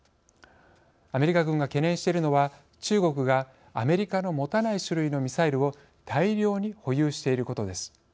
アメリカ軍が懸念しているのは中国がアメリカの持たない種類のミサイルを大量に保有していることです。